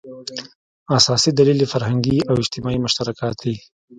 اساسي دلیل یې فرهنګي او اجتماعي مشترکات دي.